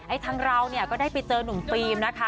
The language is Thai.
ทางเราเนี่ยก็ได้ไปเจอหนุ่มฟิล์มนะคะ